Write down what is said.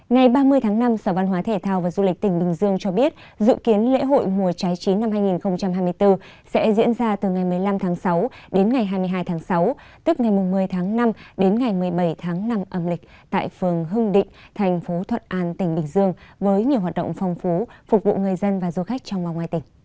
ngày ba mươi tháng năm sở văn hóa thể thao và du lịch tỉnh bình dương cho biết dự kiến lễ hội mùa trái trí năm hai nghìn hai mươi bốn sẽ diễn ra từ ngày một mươi năm tháng sáu đến ngày hai mươi hai tháng sáu tức ngày một mươi tháng năm đến ngày một mươi bảy tháng năm